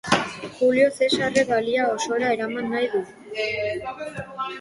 Julio Zesarrek Galia osora eraman nahi du.